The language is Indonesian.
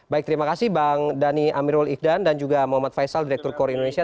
baik terima kasih bang dhani amirul ihdan dan juga muhammad faisal direktur kor indonesia